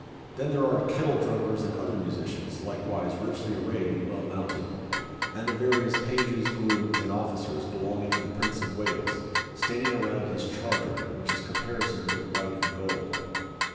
Then there are kettle drummers and other musicians, likewise richly arrayed and well mounted, and the various pages, grooms, and officers belonging to the Prince of Wales, standing around his charger, which is caparisoned with white and gold.